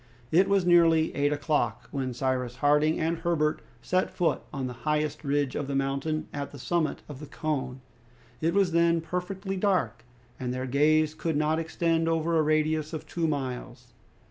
It was nearly eight o'clock when Cyrus Harding and Herbert set foot on the highest ridge of the mountain at the summit of the cone. It was then perfectly dark, and their gaze could not extend over a radius of two miles.